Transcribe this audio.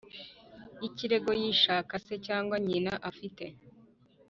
y ikirego gishaka se cyangwa nyina afite